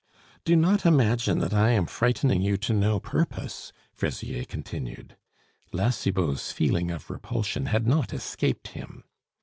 "Do not imagine that I am frightening you to no purpose," Fraisier continued. (La Cibot's feeling of repulsion had not escaped him.)